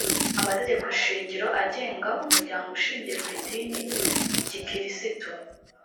amategeko shingiro agenga umuryango ushingiye ku idini gikiristu